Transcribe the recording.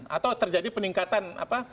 kalau terjadi peningkatan apa